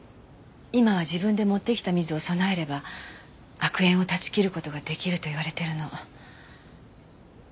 今は自分で持ってきた水を供えれば悪縁を絶ち切る事が出来るといわれてるの。